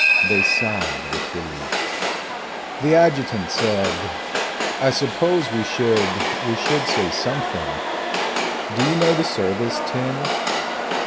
They sighed with relief. The adjutant said, "I suppose we should we should say something. Do you know the service, Tim?"